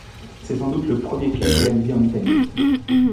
C'est sans doute le premier clip réalisé en Italie.